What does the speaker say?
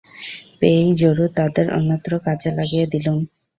পেয়েই জরুর তাদের অন্যত্র কাজে লাগিয়ে দিলুম।